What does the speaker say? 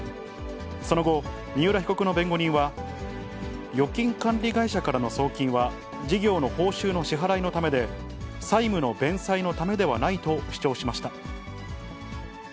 その後、三浦被告の弁護人は、預金管理会社からの送金は、事業の報酬の支払いのためで、債務の弁済のためではないと主張しました。